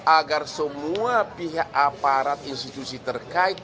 agar semua pihak aparat institusi terkait